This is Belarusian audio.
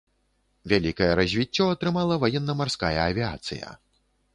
Вялікае развіццё атрымала ваенна-марская авіяцыя.